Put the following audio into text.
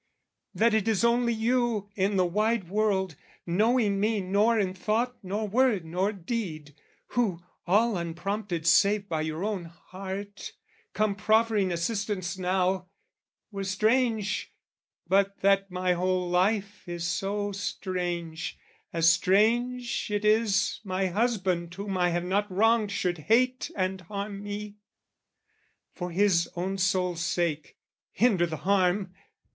"That it is only you in the wide world, "Knowing me nor in thought nor word nor deed, "Who, all unprompted save by your own heart, "Come proffering assistance now, were strange "But that my whole life is so strange: as strange "It is, my husband whom I have not wronged "Should hate and harm me. For his own soul's sake, "Hinder the harm!